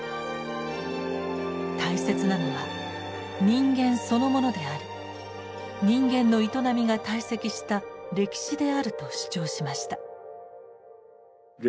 大切なのは人間そのものであり人間の営みが堆積した歴史であると主張しました。